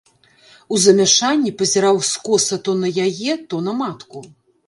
У замяшанні пазіраў скоса то на яе, то на матку.